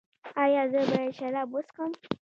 ایا زه باید شراب وڅښم؟